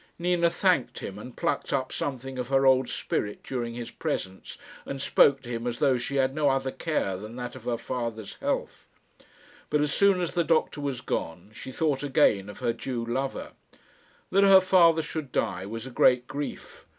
Nina thanked him, and plucked up something of her old spirit during his presence, and spoke to him as though she had no other care than that of her father's health; but as soon as the doctor was gone she thought again of her Jew lover. That her father should die was a great grief.